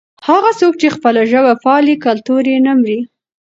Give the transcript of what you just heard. هغه څوک چې خپله ژبه پالي کلتور یې نه مري.